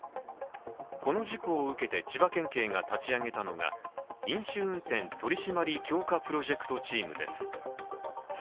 この事故を受けて千葉県警が立ち上げたのが飲酒運転取り締まり強化プロジェクトチームです。